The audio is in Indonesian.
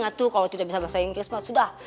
aduh kalo tidak bisa bahasa inggris mbak sudah